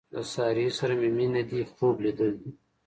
له سارې سره مې مینه دې خوب لیدل دي.